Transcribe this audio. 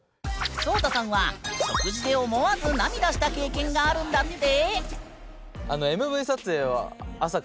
ＳＯＴＡさんは食事で思わず涙した経験があるんだって。